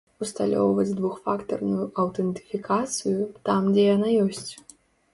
Усталёўваць двухфактарную аўтэнтыфікацыю, там дзе яна ёсць.